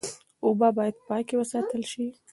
اوبه باید پاکې وساتل شي.